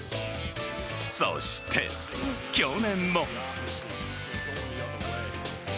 そして去年も。